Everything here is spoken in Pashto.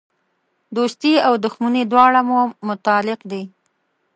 دوستي او دښمني دواړه مو مطلق دي.